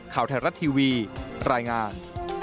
ข่าวไทยรัฐทีวีรายงาน